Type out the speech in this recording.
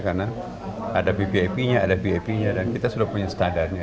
karena ada bbib nya ada bip nya dan kita sudah punya standarnya